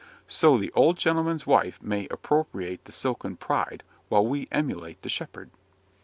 So the old gentleman's wife may appropriate the 'silken pride,' while we emulate the shepherd.